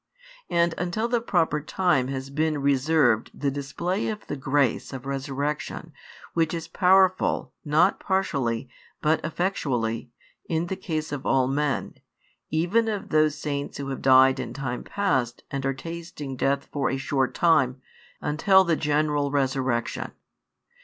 And until the proper time has been reserved the display of the grace [of resurrection], which is powerful, not partially, but effectually, in the case of all men, even of those saints who have died in time past and are tasting death for a short time, until the general resurrection.